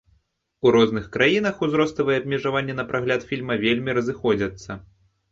У розных краінах узроставыя абмежаванні на прагляд фільма вельмі разыходзяцца.